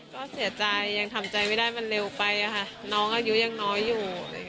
ก็เสียใจยังทำใจไม่ได้มันเร็วไปค่ะน้องอายุยังน้อยอยู่